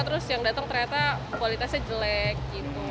terus yang datang ternyata kualitasnya jelek gitu